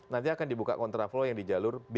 nanti akan dibuka contra flow yang di jalur b